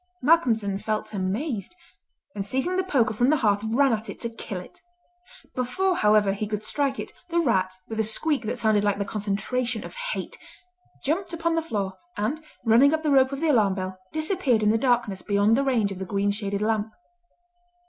Malcolmson felt amazed, and seizing the poker from the hearth ran at it to kill it. Before, however, he could strike it, the rat, with a squeak that sounded like the concentration of hate, jumped upon the floor, and, running up the rope of the alarm bell, disappeared in the darkness beyond the range of the green shaded lamp.